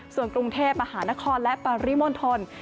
ส่วนกรุงเทพฯมหานครและปริมนต์ธนตร์